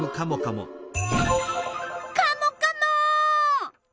カモカモッ！